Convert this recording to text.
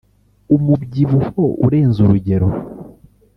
umubyibuho urenze urugero